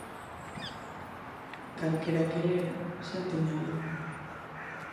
Calquera que lera, xa o tiña lido.